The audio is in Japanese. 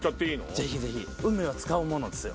ぜひ！運命は使うものですよ。